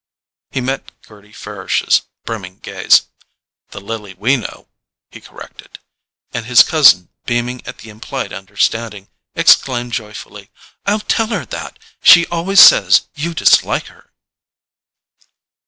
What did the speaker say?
He met Gerty Farish's brimming gaze. "The Lily we know," he corrected; and his cousin, beaming at the implied understanding, exclaimed joyfully: "I'll tell her that! She always says you dislike her."